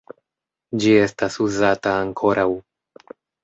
Ĝi estas uzata ankoraŭ.